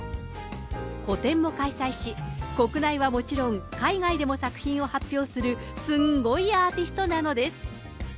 個展も開催し、国内はもちろん、海外でも作品を発表する、すんごいアーティストなのです。